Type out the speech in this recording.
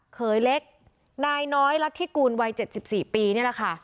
เขยเล็กนายน้อยรัฐธิกูลวัย๗๔ปีนี่แหละค่ะ